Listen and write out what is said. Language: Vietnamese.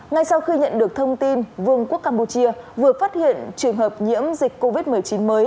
ngay sau khi nhận được thông tin vương quốc campuchia vừa phát hiện trường hợp nhiễm dịch covid một mươi chín mới